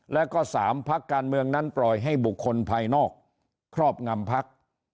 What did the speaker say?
แล้วก็๓พักการเมืองนั้นปล่อยให้บุคคลภายนอกครอบงำพัก